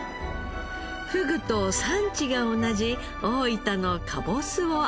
フグと産地が同じ大分のかぼすを合わせて。